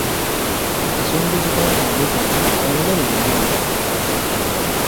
Akasongezo k'akambe kano ka bulabe nnyo.